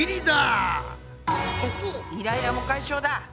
イライラも解消だ。